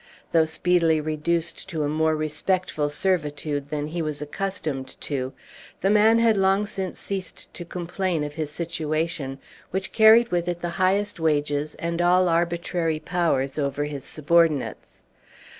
Though speedily reduced to a more respectful servitude than he was accustomed to, the man had long since ceased to complain of his situation, which carried with it the highest wages and all arbitrary powers over his subordinates.